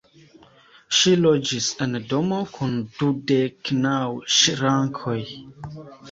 Ŝi loĝis en domo kun dudek naŭ ŝrankoj.